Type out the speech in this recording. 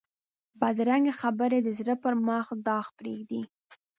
بدرنګه خبرې د زړه پر مخ داغ پرېږدي